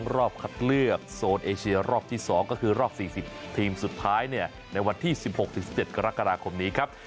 รอบคัดเลือกโซนเอเชียรอบที่๒ก็คือรอบ๔๐ทีมสุดท้ายในวันที่๑๖๑๗กรกฎาคมนี้ครับ